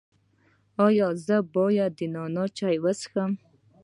ایا زه باید د نعناع چای وڅښم؟